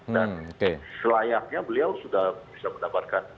dan selayaknya beliau sudah bisa mendapatkan